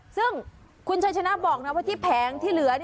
ซึ่งคุณชัยชนะบอกนะว่าที่แผงที่เหลือ